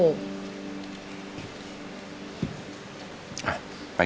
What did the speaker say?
ไปกอดคุณยายไป